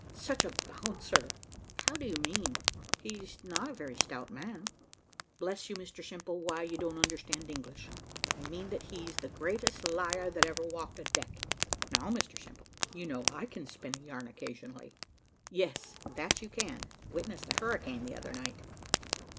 "Such a bouncer!!" "How do you mean? He's not a very stout man." "Bless you, Mr Simple, why, you don't understand English. I mean that he's the greatest liar that ever walked a deck. Now, Mr Simple, you know I can spin a yarn occasionally." "Yes, that you can; witness the hurricane the other night."